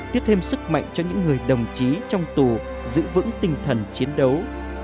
tiếp thêm sức mạnh cho những người đồng chí trong tù giữ vững tinh thần chiến đấu